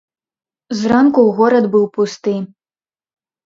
Зранку горад быў пусты.